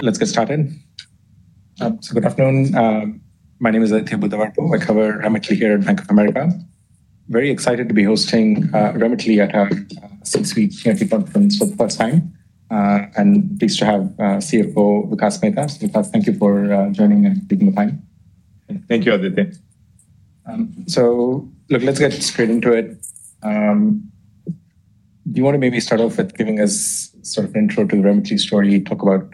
Good afternoon. My name is Aditya Buddhavarapu. I cover Remitly here at Bank of America. Very excited to be hosting Remitly at our six-week earnings conference for the first time, and pleased to have CFO Vikas Mehta. Vikas, thank you for joining and taking the time. Thank you, Aditya. Look, let's get straight into it. Do you want to maybe start off with giving us sort of intro to the Remitly story, talk about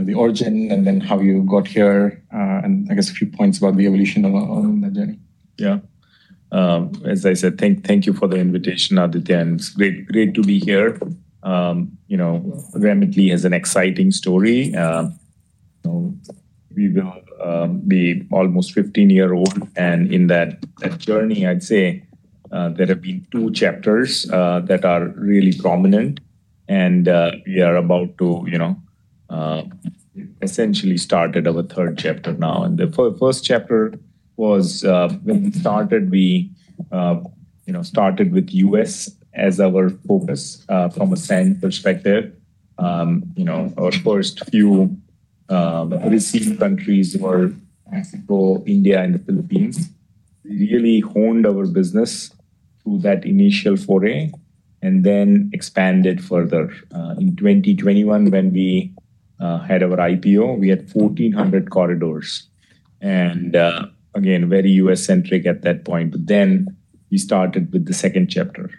the origin and then how you got here, and I guess a few points about the evolution along that journey? Yeah. As I said, thank you for the invitation, Aditya, it's great to be here. Remitly has an exciting story. We will be almost 15 year old, and in that journey, I'd say, there have been two chapters that are really prominent. We are about to essentially started our third chapter now. The first chapter was when we started, we started with U.S. as our focus from a send perspective. Our first few receive countries were Mexico, India, and the Philippines. Really honed our business through that initial foray and then expanded further. In 2021, when we had our IPO, we had 1,400 corridors and, again, very U.S.-centric at that point. We started with the second chapter,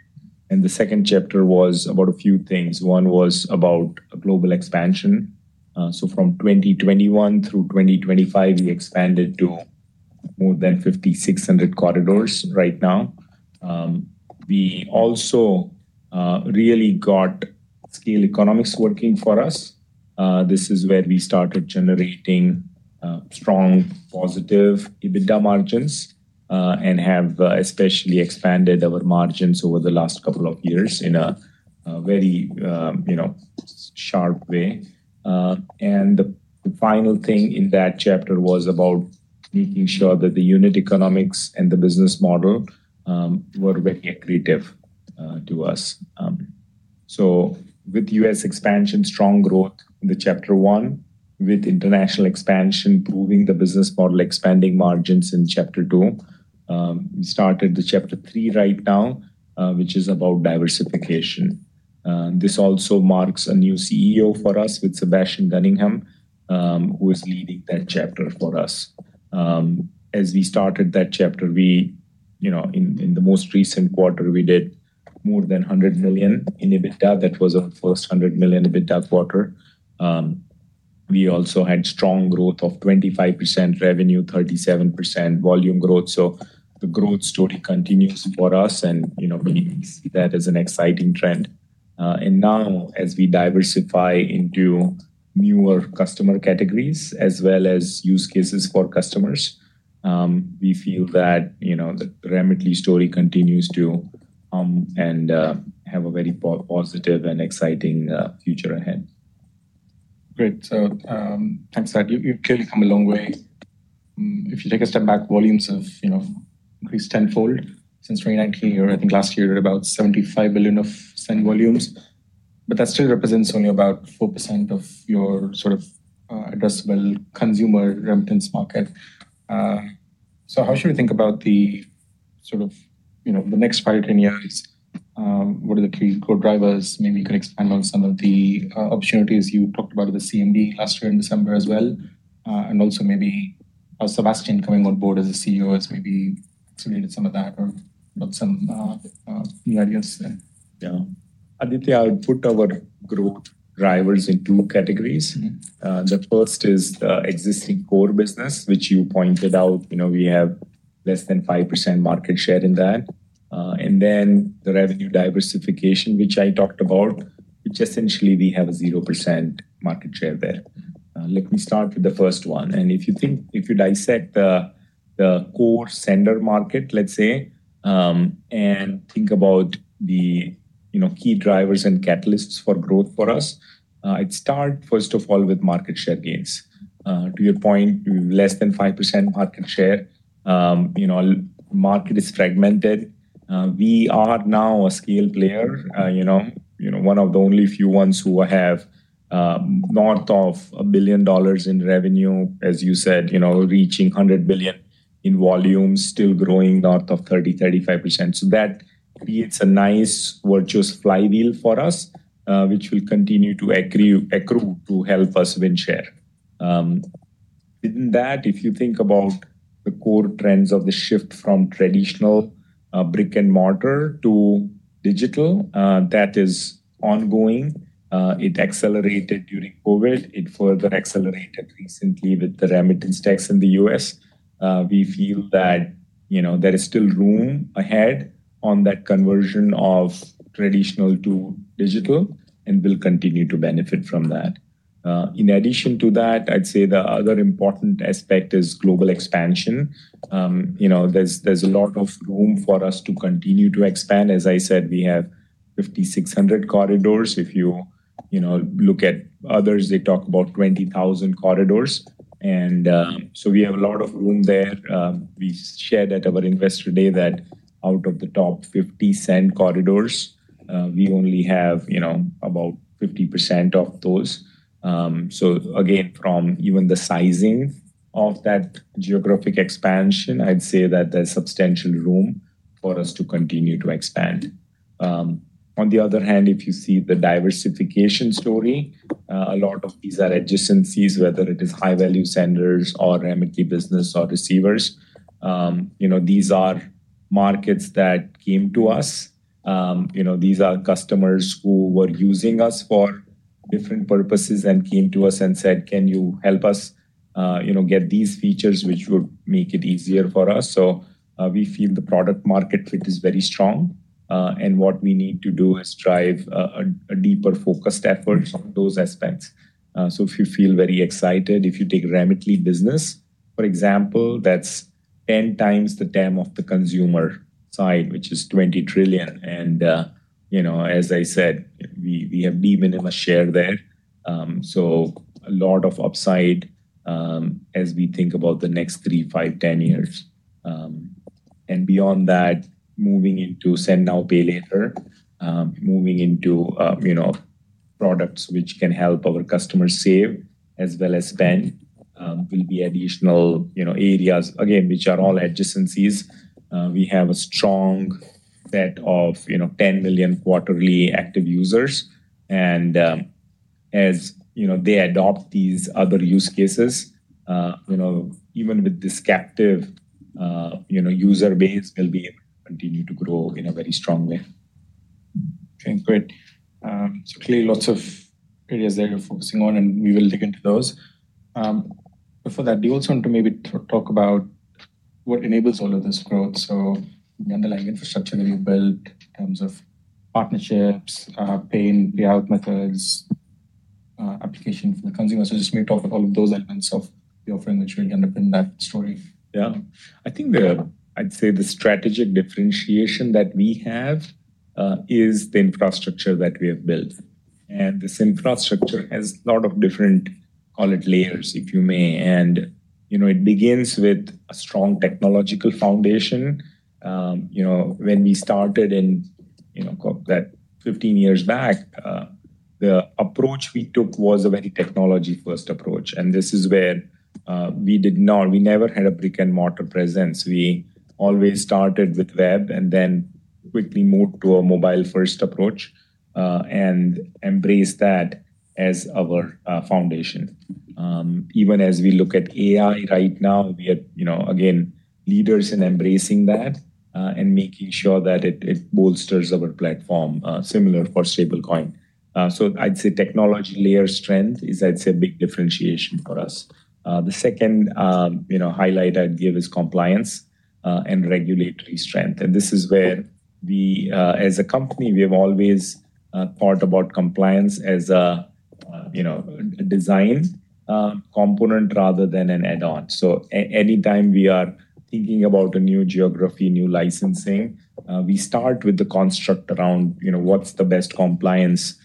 the second chapter was about a few things. One was about a global expansion. From 2021 through 2025, we expanded to more than 5,600 corridors right now. We also really got scale economics working for us. This is where we started generating strong positive EBITDA margins, and have especially expanded our margins over the last couple of years in a very sharp way. The final thing in that chapter was about making sure that the unit economics and the business model were very accretive to us. With U.S. expansion, strong growth in the chapter one, with international expansion, proving the business model, expanding margins in chapter two. We started the chapter three right now, which is about diversification. This also marks a new CEO for us with Sebastian Gunningham, who is leading that chapter for us. As we started that chapter, in the most recent quarter, we did more than $100 million in EBITDA. That was our first $100 million EBITDA quarter. We also had strong growth of 25% revenue, 37% volume growth. The growth story continues for us and we see that as an exciting trend. Now as we diversify into newer customer categories as well as use cases for customers, we feel that the Remitly story continues to come and have a very positive and exciting future ahead. Great. Thanks for that. You've clearly come a long way. If you take a step back, volumes have increased tenfold since 2019. I think last year you were at about $75 billion of send volumes, but that still represents only about 4% of your sort of addressable consumer remittance market. How should we think about the sort of the next five, 10 years? What are the key core drivers? Maybe you can expand on some of the opportunities you talked about at the CMD last year in December as well. Also maybe how Sebastian coming on board as a CEO has maybe accelerated some of that or brought some new ideas there. Aditya, I would put our growth drivers in two categories. The first is the existing core business, which you pointed out. We have less than 5% market share in that. Then the revenue diversification, which I talked about, which essentially we have a 0% market share there. Let me start with the first one. If you dissect the core sender market, let's say, and think about the key drivers and catalysts for growth for us, I'd start first of all, with market share gains. To your point, less than 5% market share. Market is fragmented. We are now a scale player, one of the only few ones who have north of $1 billion in revenue, as you said, reaching $100 billion in volumes, still growing north of 30%-35%. That creates a nice virtuous flywheel for us, which will continue to accrue to help us win share. Within that, if you think about the core trends of the shift from traditional brick and mortar to digital, that is ongoing. It accelerated during COVID. It further accelerated recently with the remittance tax in the U.S. We feel that there is still room ahead on that conversion of traditional to digital, and we'll continue to benefit from that. In addition to that, I'd say the other important aspect is global expansion. There's a lot of room for us to continue to expand. As I said, we have 5,600 corridors. If you look at others, they talk about 20,000 corridors. So we have a lot of room there. We shared at our investor day that out of the top 50 send corridors. We only have about 50% of those. Again, from even the sizing of that geographic expansion, I'd say that there's substantial room for us to continue to expand. On the other hand, if you see the diversification story, a lot of these are adjacencies, whether it is high-value senders or Remitly Business or receivers. These are markets that came to us, these are customers who were using us for different purposes and came to us and said, Can you help us get these features, which would make it easier for us? We feel the product market fit is very strong, and what we need to do is drive a deeper focused effort on those aspects. We feel very excited. If you take Remitly Business, for example, that's 10x the TAM of the consumer side, which is $20 trillion. As I said, we have de minimis share there. A lot of upside as we think about the next three, five, 10 years. Beyond that, moving into Send Now, Pay Later, moving into products which can help our customers save as well as spend will be additional areas, again, which are all adjacencies. We have a strong set of 10 million quarterly active users. As they adopt these other use cases, even with this captive user base, we'll be able to continue to grow in a very strong way. Okay, great. Clearly lots of areas that you're focusing on, we will dig into those. Before that, do you also want to maybe talk about what enables all of this growth? The underlying infrastructure that you built in terms of partnerships, payment methods, application for the consumer. Just maybe talk of all of those elements of the offering, which will underpin that story. Yeah. I think I'd say the strategic differentiation that we have is the infrastructure that we have built. This infrastructure has a lot of different, call it layers, if you may. It begins with a strong technological foundation. When we started in that 15 years back, the approach we took was a very technology-first approach. This is where we never had a brick-and-mortar presence. We always started with web and then quickly moved to a mobile-first approach, and embraced that as our foundation. Even as we look at AI right now, we are, again, leaders in embracing that, and making sure that it bolsters our platform. Similar for stablecoin. I'd say technology layer strength is, I'd say, a big differentiation for us. The second highlight I'd give is compliance and regulatory strength. This is where as a company, we have always thought about compliance as a design component rather than an add-on. Anytime we are thinking about a new geography, new licensing, we start with the construct around what's the best compliance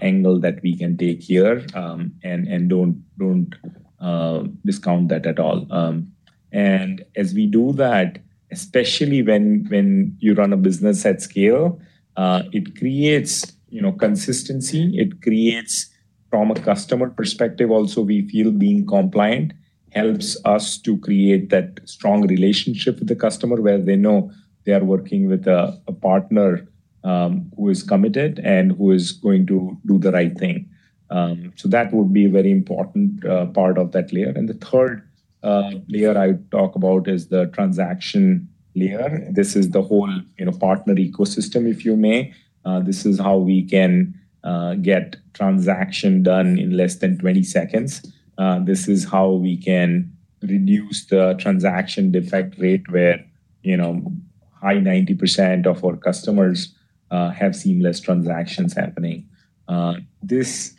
angle that we can take here. Don't discount that at all. As we do that, especially when you run a business at scale, it creates consistency. From a customer perspective also, we feel being compliant helps us to create that strong relationship with the customer, where they know they are working with a partner who is committed and who is going to do the right thing. That would be a very important part of that layer. The third layer I would talk about is the transaction layer. This is the whole partner ecosystem, if you may. This is how we can get transaction done in less than 20 seconds. This is how we can reduce the transaction defect rate where high 90% of our customers have seamless transactions happening. This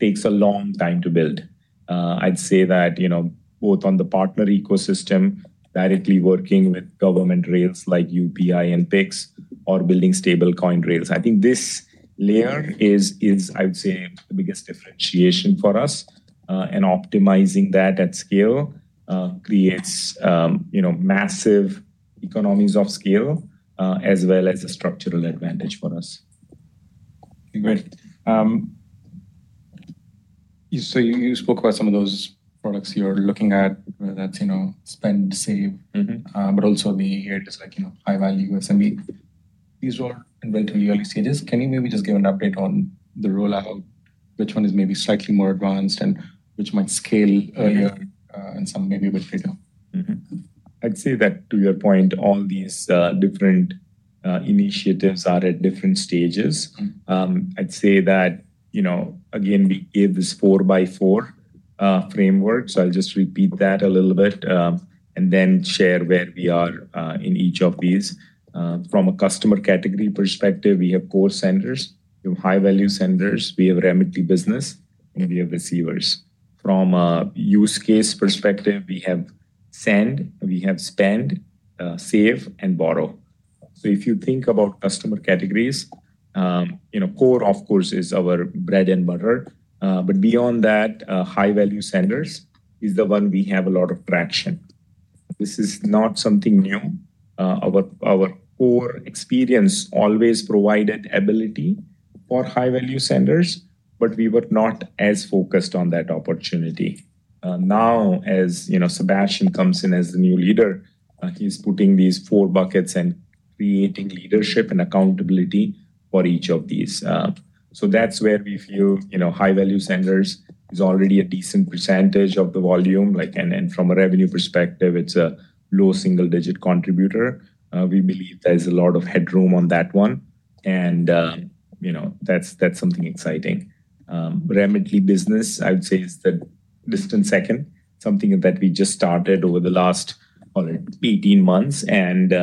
takes a long time to build. I'd say that both on the partner ecosystem directly working with government rails like UPI and Pix or building stablecoin rails. I think this layer is, I would say, the biggest differentiation for us. Optimizing that at scale creates massive economies of scale, as well as a structural advantage for us. Great. You spoke about some of those products you're looking at, whether that's spend, save. Also we hear it is high-value SME. These are all in very early stages. Can you maybe just give an update on the rollout? Which one is maybe slightly more advanced and which might scale earlier, and some maybe a bit later? I'd say that, to your point, all these different initiatives are at different stages. I'd say that, again, we gave this four by four framework. I'll just repeat that a little bit, then share where we are in each of these. From a customer category perspective, we have core senders, we have high-value senders, we have Remitly business, and we have receivers. From a use case perspective, we have send, we have spend, save, and borrow. If you think about customer categories, core of course is our bread and butter. Beyond that, high-value senders is the one we have a lot of traction. This is not something new. Our core experience always provided ability for high-value senders, but we were not as focused on that opportunity. Now, as Sebastian comes in as the new leader, he's putting these four buckets and creating leadership and accountability for each of these. That's where we feel high-value senders is already a decent percentage of the volume. From a revenue perspective, it's a low single-digit contributor. We believe there's a lot of headroom on that one, that's something exciting. Remitly business, I would say, is the distant second, something that we just started over the last, call it 18 months, and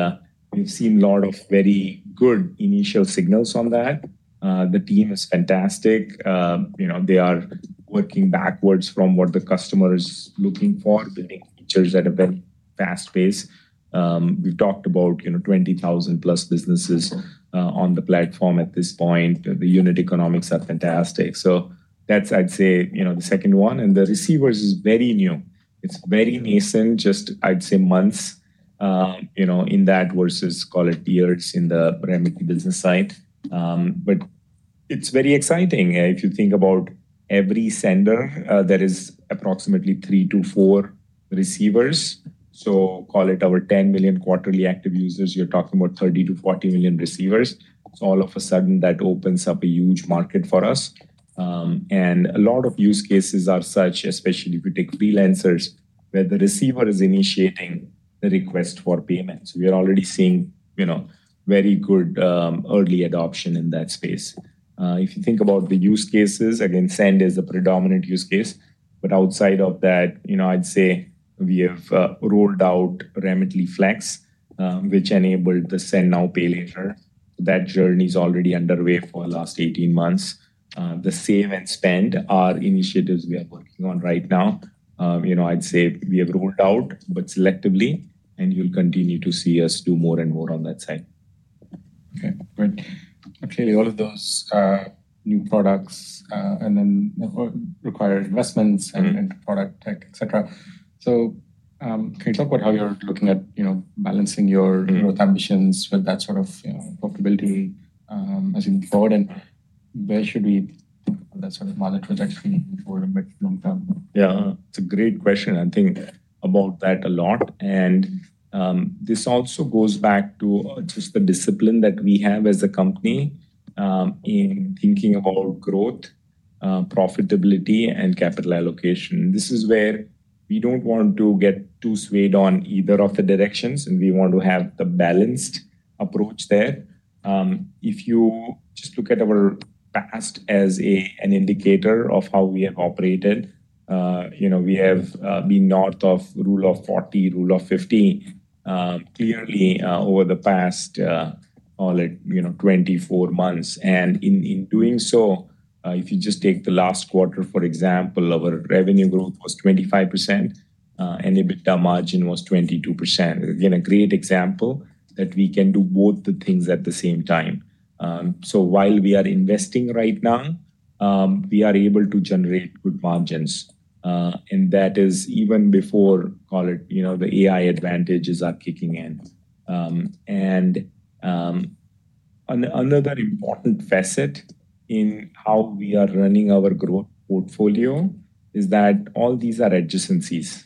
we've seen a lot of very good initial signals on that. The team is fantastic. They are working backwards from what the customer is looking for, building features at a very fast pace. We've talked about 20,000+ businesses on the platform at this point. The unit economics are fantastic. That's, I'd say, the second one. The receivers is very new. It is very nascent, just, I would say, months in that versus, call it, years in the Remitly business side. It is very exciting. If you think about every sender, there are approximately three to four receivers. Call it our 10 million quarterly active users, you are talking about 30 million-40 million receivers. All of a sudden, that opens up a huge market for us. A lot of use cases are such, especially if you take freelancers, where the receiver is initiating the request for payments. We are already seeing very good early adoption in that space. If you think about the use cases, again, send is a predominant use case. Outside of that, I would say we have rolled out Remitly Flex, which enabled the Send Now, Pay Later. That journey is already underway for the last 18 months. The save and spend are initiatives we are working on right now. I would say we have rolled out, but selectively, and you will continue to see us do more and more on that side. Okay, great. Clearly, all of those new products and then require investments and product tech, et cetera. Can you talk about how you are looking at balancing your growth ambitions with that sort of profitability as you move forward, and where should we That sort of market projection for mid, long term? Yeah. It is a great question. I think about that a lot, and this also goes back to just the discipline that we have as a company in thinking about growth, profitability, and capital allocation. This is where we do not want to get too swayed on either of the directions, and we want to have the balanced approach there. If you just look at our past as an indicator of how we have operated, we have been north of Rule of 40, Rule of 50, clearly over the past, call it, 24 months. In doing so, if you just take the last quarter, for example, our revenue growth was 25%, and EBITDA margin was 22%. Again, a great example that we can do both the things at the same time. While we are investing right now, we are able to generate good margins. That is even before, call it, the AI advantages are kicking in. Another important facet in how we are running our growth portfolio is that all these are adjacencies.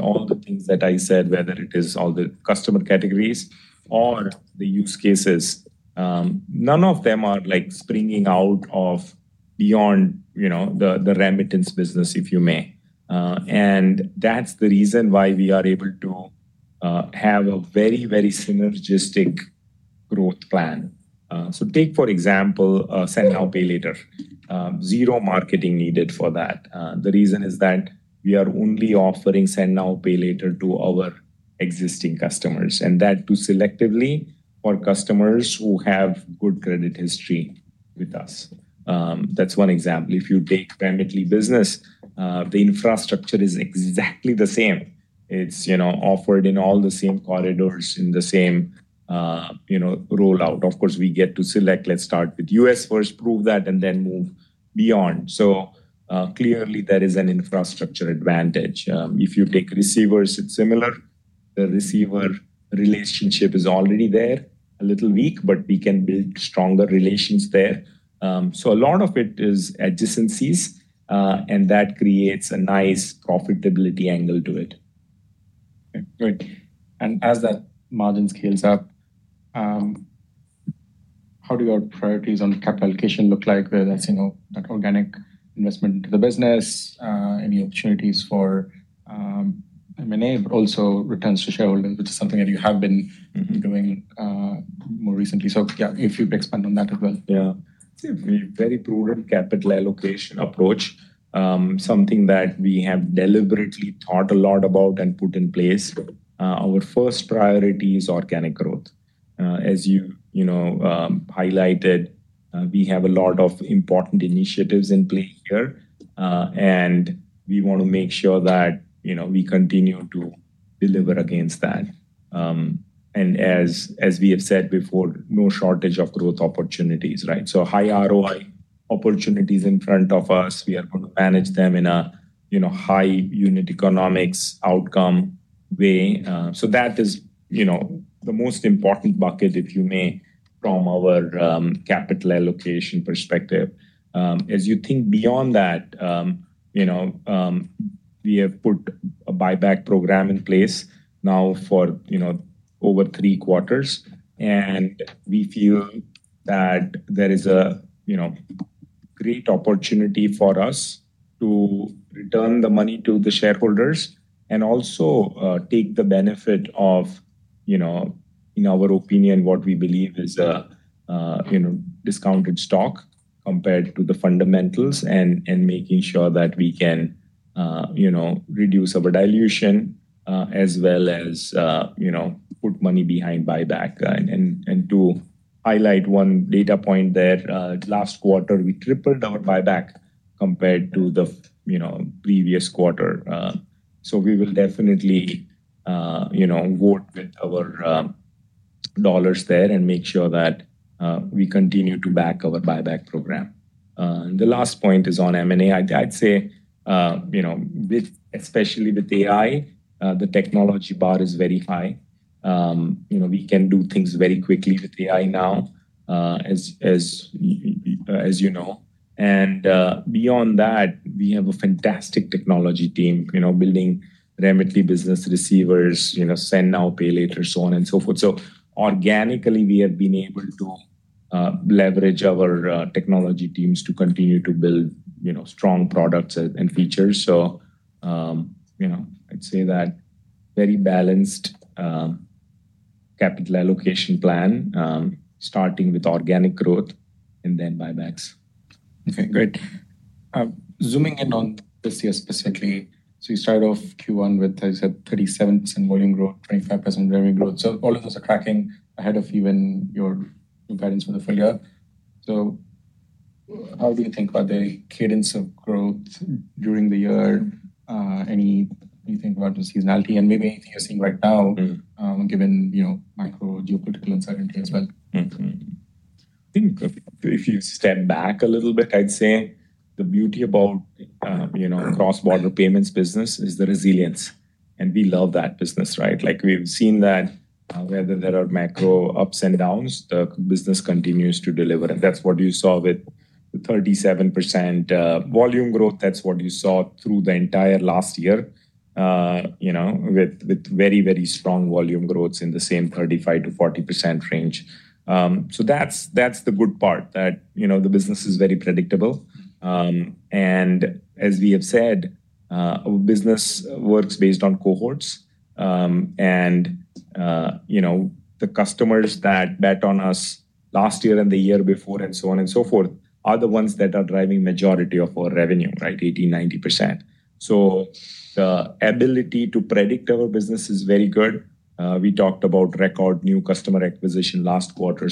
All the things that I said, whether it is all the customer categories or the use cases, none of them are springing out of beyond the remittance business, if you may. That's the reason why we are able to have a very synergistic growth plan. Take, for example, Send Now, Pay Later. Zero marketing needed for that. The reason is that we are only offering Send Now, Pay Later to our existing customers, and that too selectively for customers who have good credit history with us. That's one example. If you take Remitly business, the infrastructure is exactly the same. It's offered in all the same corridors, in the same rollout. Of course, we get to select, let's start with U.S. first, prove that, then move beyond. Clearly there is an infrastructure advantage. If you take receivers, it's similar. The receiver relationship is already there, a little weak, but we can build stronger relations there. A lot of it is adjacencies, and that creates a nice profitability angle to it. Okay, great. As that margin scales up, how do your priorities on capital allocation look like, whether that's that organic investment into the business, any opportunities for M&A, also returns to shareholders, which is something that you have been doing more recently. Yeah, if you could expand on that as well. Yeah. I'd say a very prudent capital allocation approach, something that we have deliberately thought a lot about and put in place. Our first priority is organic growth. As you highlighted, we have a lot of important initiatives in play here, and we want to make sure that we continue to deliver against that. As we have said before, no shortage of growth opportunities, right? High ROI opportunities in front of us. We are going to manage them in a high unit economics outcome way. That is the most important bucket, if you may, from our capital allocation perspective. As you think beyond that, we have put a buyback program in place now for over three quarters. We feel that there is a great opportunity for us to return the money to the shareholders and also take the benefit of, in our opinion, what we believe is a discounted stock compared to the fundamentals and making sure that we can reduce our dilution as well as put money behind buyback. To highlight one data point there, last quarter, we tripled our buyback compared to the previous quarter. We will definitely vote with our dollars there and make sure that we continue to back our buyback program. The last point is on M&A. I'd say, especially with AI, the technology bar is very high. We can do things very quickly with AI now, as you know. Beyond that, we have a fantastic technology team building Remitly for Business receivers, Send Now, Pay Later, so on and so forth. Organically, we have been able to leverage our technology teams to continue to build strong products and features. I'd say that very balanced capital allocation plan, starting with organic growth and then buybacks. Okay, great. Zooming in on this year specifically, you started off Q1 with, as you said, 37% volume growth, 25% revenue growth. All of those are tracking ahead of even your guidance for the full-year. How do you think about the cadence of growth during the year? Any way you think about the seasonality and maybe anything you're seeing right now. Given macro geopolitical uncertainty as well? I think if you step back a little bit, I'd say the beauty about cross-border payments business is the resilience. We love that business, right? We've seen that where there are macro ups and downs, the business continues to deliver. That's what you saw with the 37% volume growth. That's what you saw through the entire last year, with very strong volume growths in the same 35%-40% range. That's the good part, that the business is very predictable. As we have said, our business works based on cohorts. The customers that bet on us last year and the year before and so on and so forth, are the ones that are driving majority of our revenue, right? 80%-90%. The ability to predict our business is very good. We talked about record new customer acquisition last quarter.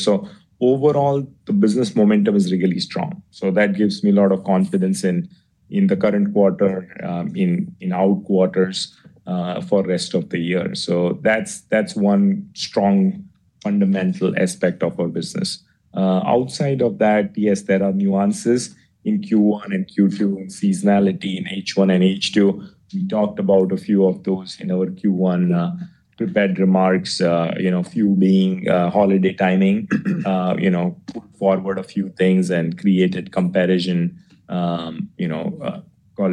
Overall, the business momentum is really strong. That gives me a lot of confidence in the current quarter, in out quarters, for rest of the year. That's one strong fundamental aspect of our business. Outside of that, yes, there are nuances in Q1 and Q2 in seasonality, in H1 and H2. We talked about a few of those in our Q1 prepared remarks, a few being holiday timing. Put forward a few things and created comparison, call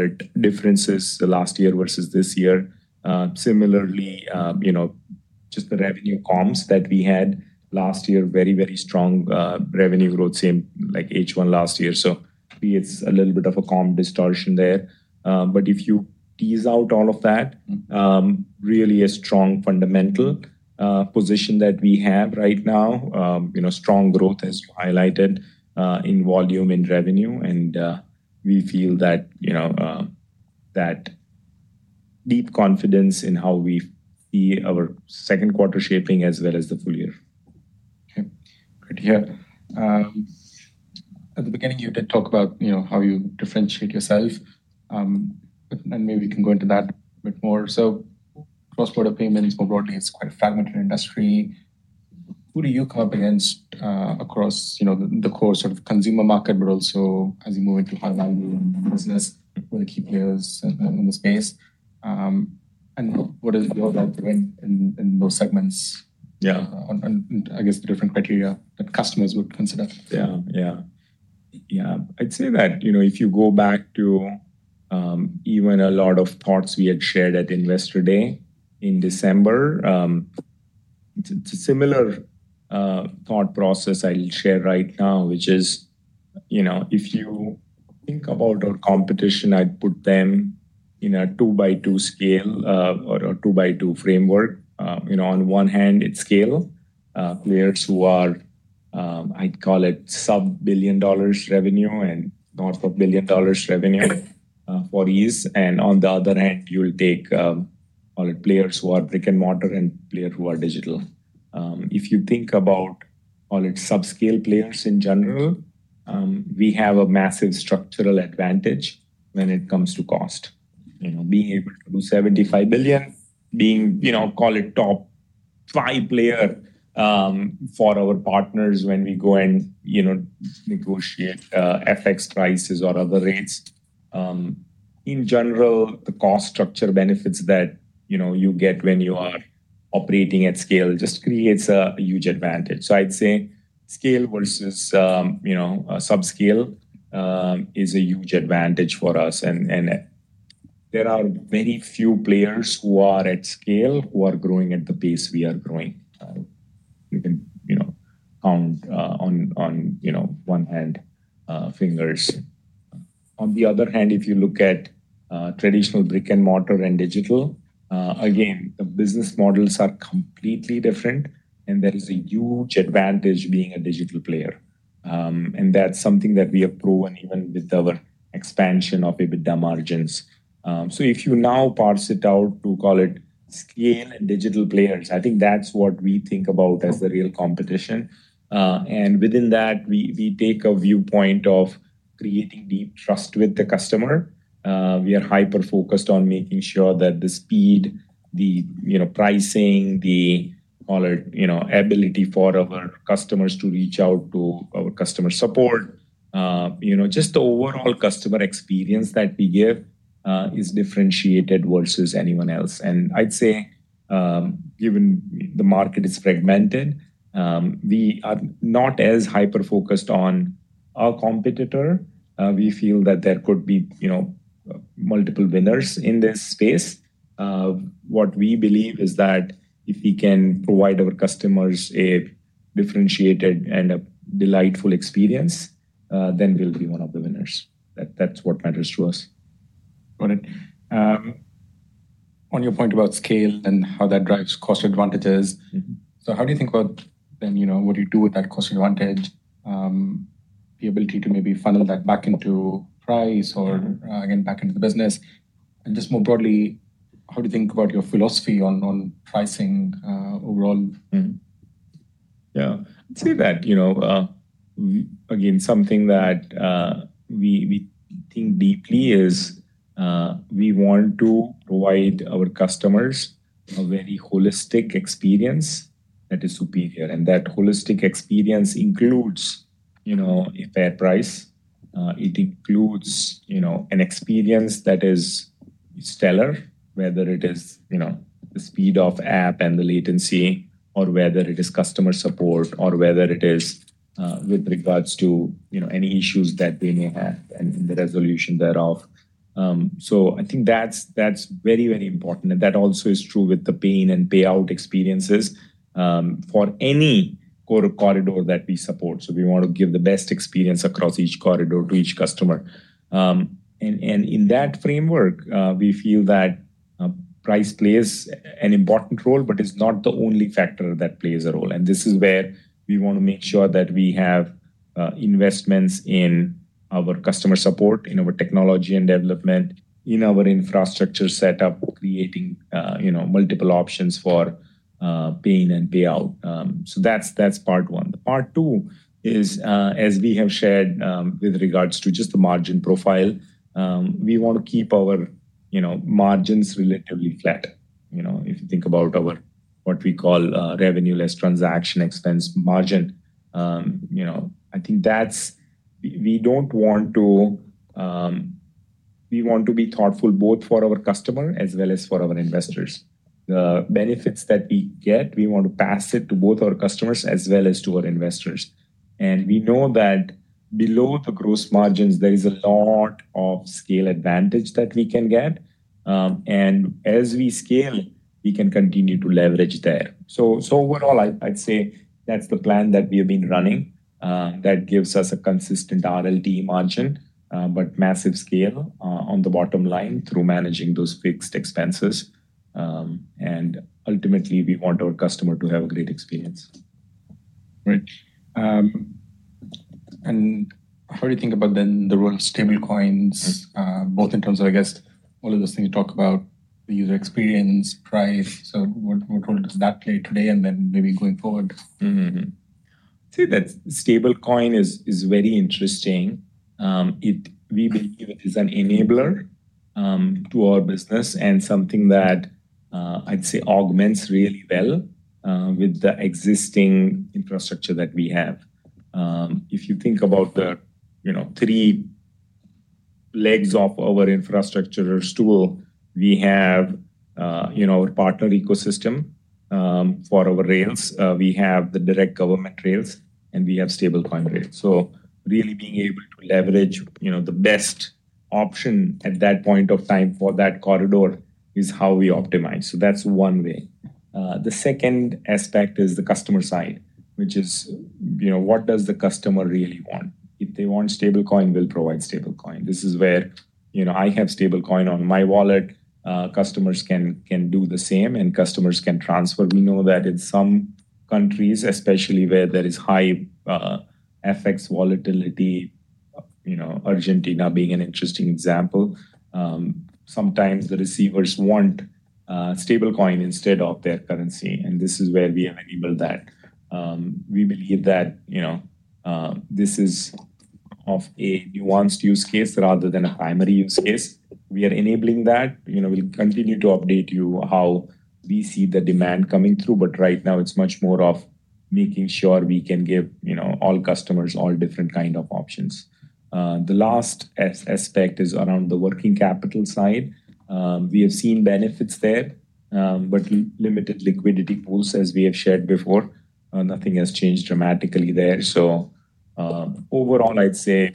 it differences the last year versus this year. Similarly, just the revenue comps that we had last year, very strong revenue growth, same like H1 last year. It's a little bit of a comp distortion there. If you tease out all of that, really a strong fundamental position that we have right now. Strong growth as highlighted in volume, in revenue, and we feel that deep confidence in how we see our second quarter shaping as well as the full-year. Okay. Good to hear. At the beginning, you did talk about how you differentiate yourself. Maybe we can go into that a bit more. Cross-border payments more broadly is quite a fragmented industry. Who do you compete against across the core sort of consumer market, but also as you move into high-value business with key players in the space? What does it look like in those segments? Yeah I guess the different criteria that customers would consider? I'd say that if you go back to even a lot of thoughts we had shared at Investor Day in December, it's a similar thought process I'll share right now, which is, if you think about our competition, I'd put them in a two by two scale or two by two framework. On one hand, it's scale, players who are, I'd call it sub-$1 billion revenue and north of $1 billion revenue for ease. On the other hand, you'll take all players who are brick-and-mortar and players who are digital. If you think about all these sub-scale players in general, we have a massive structural advantage when it comes to cost. Being able to do $75 billion, being, call it top 5 player for our partners when we go and negotiate FX prices or other rates. In general, the cost structure benefits that you get when you are operating at scale just creates a huge advantage. I'd say scale versus sub-scale is a huge advantage for us. There are very few players who are at scale who are growing at the pace we are growing. You can count on one hand, fingers. On the other hand, if you look at traditional brick and mortar and digital, again, the business models are completely different and there is a huge advantage being a digital player. That's something that we have proven even with our expansion of EBITDA margins. If you now parse it out to, call it scale and digital players, I think that's what we think about as the real competition. Within that, we take a viewpoint of creating deep trust with the customer. We are hyper-focused on making sure that the speed, the pricing, the call it ability for our customers to reach out to our customer support, just the overall customer experience that we give is differentiated versus anyone else. I'd say, given the market is fragmented, we are not as hyper-focused on our competitor. We feel that there could be multiple winners in this space. What we believe is that if we can provide our customers a differentiated and a delightful experience, then we'll be one of the winners. That's what matters to us. Got it. On your point about scale and how that drives cost advantages. How do you think about then, what you do with that cost advantage, the ability to maybe funnel that back into price or. again, back into the business? Just more broadly, how do you think about your philosophy on pricing overall? Yeah. I'd say that again, something that we think deeply is, we want to provide our customers a very holistic experience that is superior. That holistic experience includes a fair price. It includes an experience that is stellar, whether it is the speed of app and the latency or whether it is customer support or whether it is with regards to any issues that they may have and the resolution thereof. I think that's very important. That also is true with the pay in and payout experiences for any corridor that we support. We want to give the best experience across each corridor to each customer. In that framework, we feel that price plays an important role, but it's not the only factor that plays a role. This is where we want to make sure that we have investments in our customer support, in our technology and development, in our infrastructure setup, creating multiple options for pay in and payout. That's part one. Part two is, as we have shared, with regards to just the margin profile, we want to keep our margins relatively flat. If you think about our, what we call revenue less transaction expense margin. We want to be thoughtful both for our customer as well as for our investors. The benefits that we get, we want to pass it to both our customers as well as to our investors. We know that below the gross margins, there is a lot of scale advantage that we can get. As we scale, we can continue to leverage there. Overall, I'd say that's the plan that we have been running, that gives us a consistent RLTE margin, but massive scale on the bottom line through managing those fixed expenses. Ultimately, we want our customer to have a great experience. Right. How do you think about then the role of stablecoins, both in terms of, all of those things you talk about, the user experience, price. What role does that play today and then maybe going forward? I'd say that stablecoin is very interesting. We believe it is an enabler to our business and something that I'd say augments really well with the existing infrastructure that we have. If you think about the three legs of our infrastructure stool, we have our partner ecosystem for our rails, we have the direct government rails, we have stablecoin rails. Really being able to leverage the best option at that point of time for that corridor is how we optimize. That's one way. The second aspect is the customer side, which is, what does the customer really want? If they want stablecoin, we'll provide stablecoin. This is where I have stablecoin on my wallet. Customers can do the same and customers can transfer. We know that in some countries, especially where there is high FX volatility Argentina being an interesting example. Sometimes the receivers want stablecoin instead of their currency. This is where we enable that. We believe that this is of a nuanced use case rather than a primary use case. We are enabling that. We'll continue to update you how we see the demand coming through, but right now it's much more of making sure we can give all customers all different kind of options. The last aspect is around the working capital side. We have seen benefits there, but limited liquidity pools, as we have shared before. Nothing has changed dramatically there. Overall, I'd say,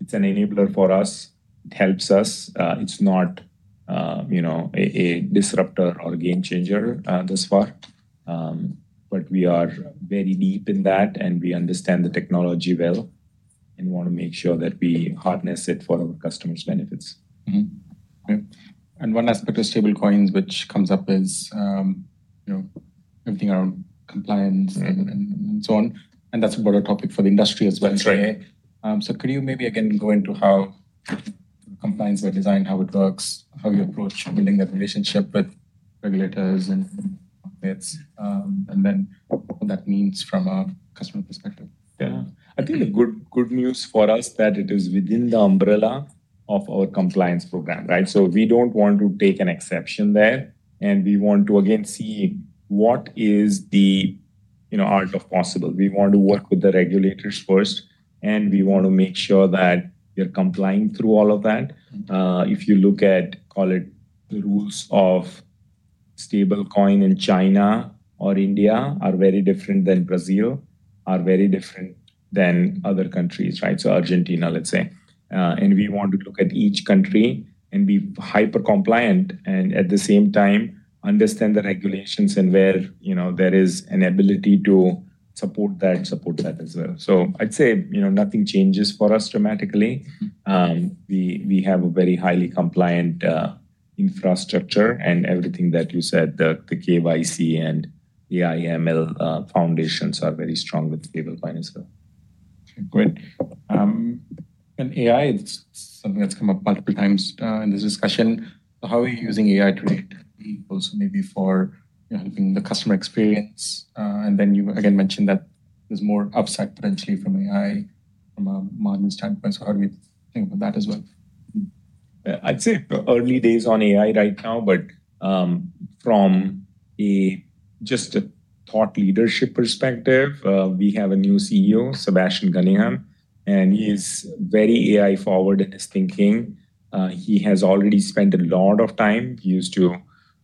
it's an enabler for us. It helps us. It's not a disruptor or game changer thus far. We are very deep in that, and we understand the technology well and want to make sure that we harness it for our customers' benefits. Mm-hmm. Okay. One aspect of stablecoins which comes up is, everything around compliance and so on. That's a broader topic for the industry as well today. That's right. Could you maybe, again, go into how compliance is designed, how it works, how you approach building that relationship with regulators and prospects, and then what that means from a customer perspective? Yeah. I think the good news for us that it is within the umbrella of our compliance program, right? We don't want to take an exception there, and we want to again see what is the art of possible. We want to work with the regulators first, and we want to make sure that we are complying through all of that. If you look at, call it, the rules of stablecoin in China or India are very different than Brazil, are very different than other countries, right? Argentina, let's say. We want to look at each country and be hyper-compliant, and at the same time understand the regulations and where there is an ability to support that as well. I'd say nothing changes for us dramatically. We have a very highly compliant infrastructure and everything that you said, the KYC and the AIML foundations are very strong with stablecoin as well. Okay, great. AI is something that's come up multiple times in this discussion. How are you using AI today? Also maybe for helping the customer experience. You again mentioned that there's more upside potentially from AI from a margin standpoint. How do we think about that as well? I'd say early days on AI right now, but from just a thought leadership perspective, we have a new CEO, Sebastian Gunningham, and he's very AI forward in his thinking. He has already spent a lot of time. He used to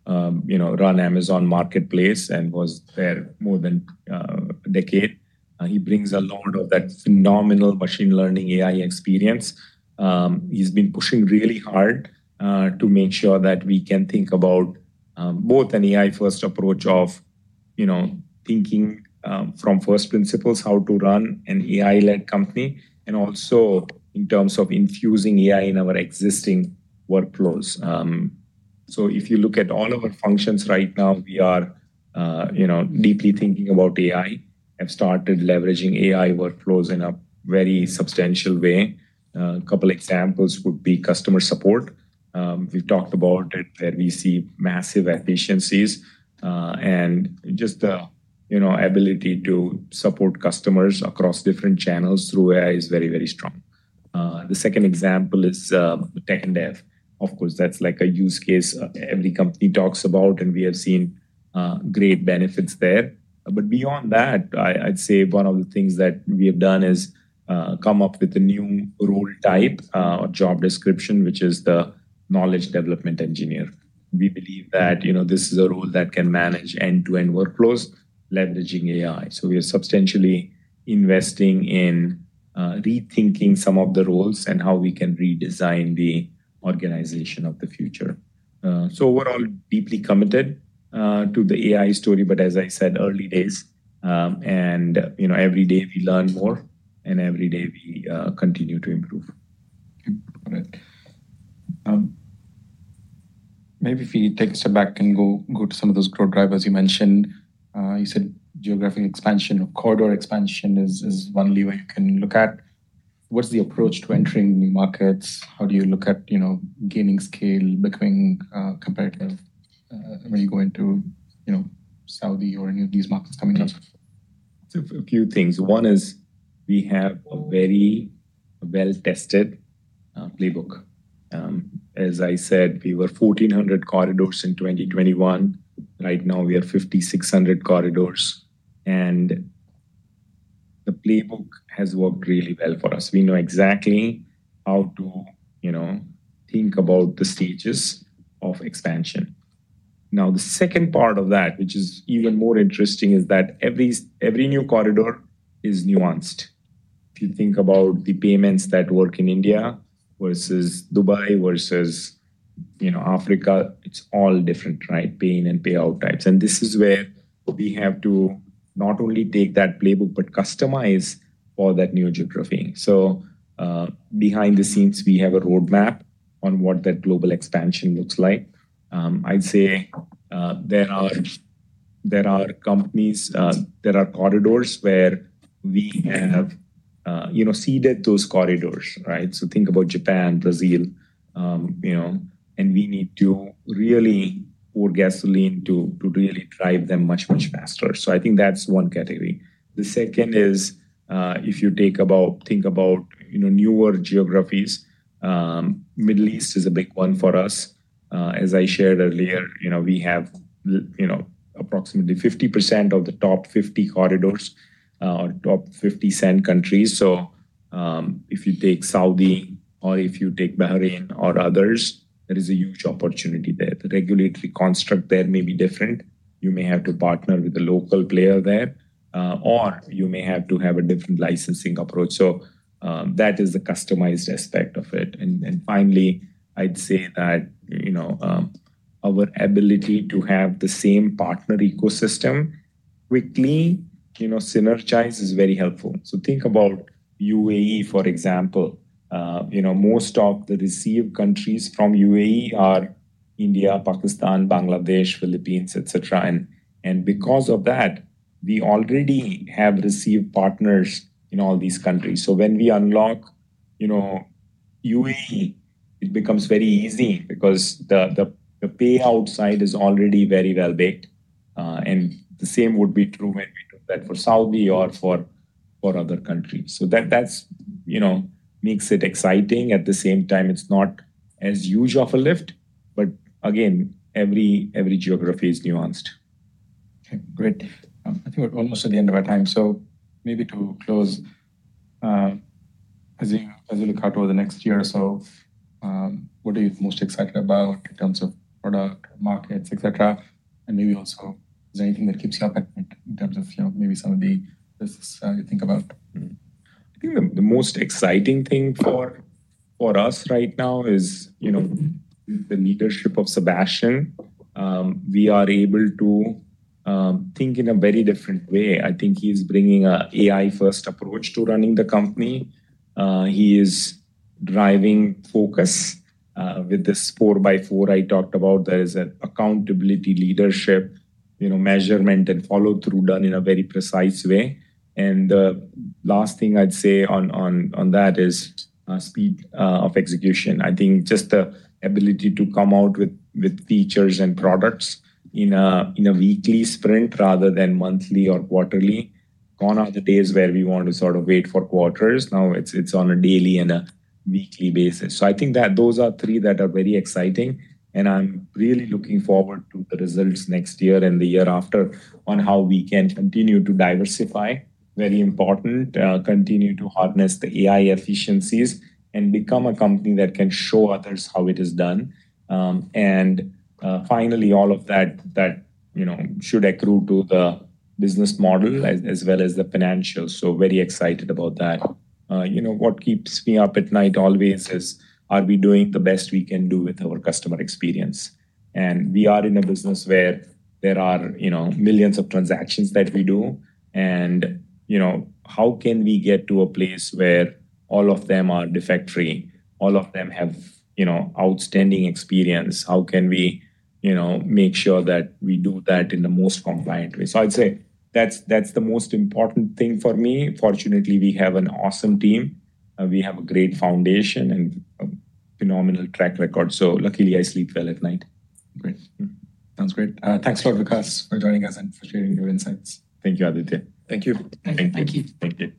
run Amazon Marketplace and was there more than a decade. He brings a lot of that phenomenal machine learning AI experience. He's been pushing really hard to make sure that we can think about both an AI first approach of thinking from first principles, how to run an AI-led company, and also in terms of infusing AI in our existing workflows. If you look at all of our functions right now, we are deeply thinking about AI, have started leveraging AI workflows in a very substantial way. A couple examples would be customer support. We've talked about it, where we see massive efficiencies, and just the ability to support customers across different channels through AI is very strong. The second example is tech and dev. Of course, that's like a use case every company talks about, and we have seen great benefits there. Beyond that, I'd say one of the things that we have done is come up with a new role type or job description, which is the Knowledge Development Engineer. We believe that this is a role that can manage end-to-end workflows leveraging AI. We are substantially investing in rethinking some of the roles and how we can redesign the organization of the future. We're all deeply committed to the AI story, but as I said, early days. Every day we learn more, and every day we continue to improve. Okay. Got it. Maybe if we take a step back and go to some of those growth drivers you mentioned. You said geographic expansion or corridor expansion is one way you can look at. What is the approach to entering new markets? How do you look at gaining scale, becoming competitive when you go into Saudi or any of these markets coming up? A few things. One is we have a very well-tested playbook. As I said, we were 1,400 corridors in 2021. Right now, we are 5,600 corridors, and the playbook has worked really well for us. We know exactly how to think about the stages of expansion. The second part of that, which is even more interesting, is that every new corridor is nuanced. If you think about the payments that work in India versus Dubai versus Africa, it's all different, right? Paying and payout types. This is where we have to not only take that playbook, but customize for that new geography. Behind the scenes, we have a roadmap on what that global expansion looks like. I'd say there are companies, there are corridors where we have seeded those corridors, right? Think about Japan, Brazil, and we need to really pour gasoline to really drive them much, much faster. I think that's one category. The second is, if you think about newer geographies, Middle East is a big one for us. As I shared earlier, we have approximately 50% of the top 50 corridors or top 50 send countries. If you take Saudi or if you take Bahrain or others, there is a huge opportunity there. The regulatory construct there may be different. You may have to partner with a local player there. You may have to have a different licensing approach. That is the customized aspect of it. Finally, I'd say that our ability to have the same partner ecosystem quickly synergize is very helpful. Think about UAE, for example. Most of the receive countries from UAE are India, Pakistan, Bangladesh, Philippines, et cetera. Because of that, we already have receive partners in all these countries. When we unlock UAE, it becomes very easy because the payout side is already very well baked. The same would be true when we do that for Saudi or for other countries. That makes it exciting. At the same time, it's not as huge of a lift. Again, every geography is nuanced. Okay, great. I think we're almost at the end of our time. Maybe to close, as you look out over the next year or so, what are you most excited about in terms of product markets, et cetera? Maybe also, is there anything that keeps you up at night in terms of maybe some of the risks you think about? I think the most exciting thing for us right now is the leadership of Sebastian. We are able to think in a very different way. I think he's bringing an AI-first approach to running the company. He is driving focus with this four by four I talked about. There is an accountability leadership measurement and follow-through done in a very precise way. The last thing I'd say on that is speed of execution. I think just the ability to come out with features and products in a weekly sprint rather than monthly or quarterly. Gone are the days where we want to sort of wait for quarters. Now it's on a daily and a weekly basis. I think that those are three that are very exciting, I'm really looking forward to the results next year and the year after on how we can continue to diversify, very important, continue to harness the AI efficiencies and become a company that can show others how it is done. Finally, all of that should accrue to the business model as well as the financials. Very excited about that. What keeps me up at night always is, are we doing the best we can do with our customer experience? We are in a business where there are millions of transactions that we do, how can we get to a place where all of them are defect-free? All of them have outstanding experience? How can we make sure that we do that in the most compliant way? I'd say that's the most important thing for me. Fortunately, we have an awesome team. We have a great foundation and a phenomenal track record. Luckily, I sleep well at night. Great. Sounds great. Thanks a lot, Vikas, for joining us and for sharing your insights. Thank you, Aditya. Thank you. Thank you. Thank you.